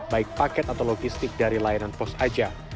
baik paket atau logistik dari layanan pos aja